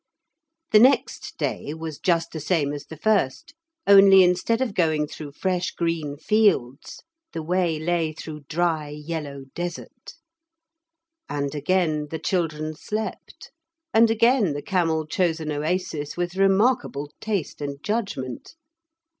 The next day was just the same as the first, only instead of going through fresh green fields, the way lay through dry yellow desert. And again the children slept, and again the camel chose an oasis with remarkable taste and judgment.